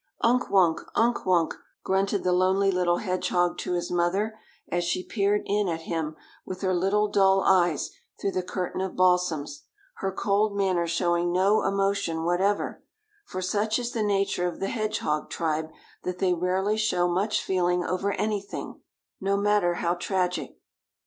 "Unk Wunk, Unk Wunk," grunted the lonely little hedgehog to his mother, as she peered in at him with her little dull eyes through the curtain of balsams, her cold manner showing no emotion whatever, for such is the nature of the hedgehog tribe that they rarely show much feeling over anything, no matter how tragic.